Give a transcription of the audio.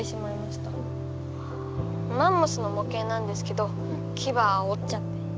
マンモスのもけいなんですけどキバをおっちゃって。